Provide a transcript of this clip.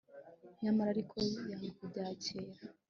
nyamara ariko we yanga kubyakira